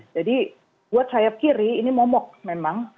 jadi buat sayap kiri ini momok memang